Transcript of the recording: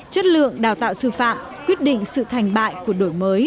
chất lượng đào tạo sư phạm quyết định sự thành tựu